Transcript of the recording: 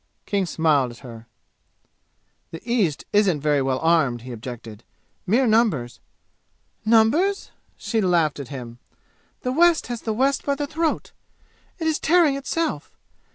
King smiled at her. "The East isn't very well armed," he objected. "Mere numbers " "Numbers?" She laughed at him. "The West has the West by the throat! It is tearing itself!